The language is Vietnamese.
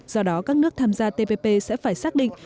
do đó các nước tham gia tpp sẽ phải xác định